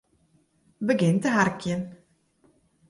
Begjin te harkjen.